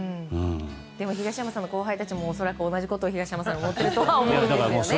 でも東山さんの後輩たちも、同じことを東山さんに思っていると思います。